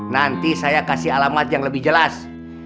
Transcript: nanti saya kasih alamat yang lebih jelas